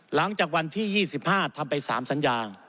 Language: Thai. หลังจากวันที่๒๕ทำไป๓สัญญา